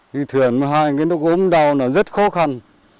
đi thuyền mà hai cái nước ốm đau là rất khó khăn